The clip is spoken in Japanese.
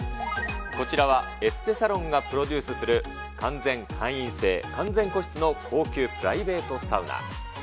こちらは、エステサロンがプロデュースする完全会員制、完全個室の高級プライベートサウナ。